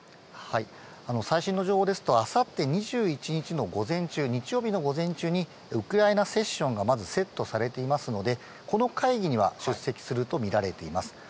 最新の情報ですと、あさって２１日の午前中、日曜日の午前中にウクライナセッションがまずセットされていますので、この会議には出席すると見られています。